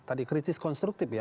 tadi kritis konstruktif ya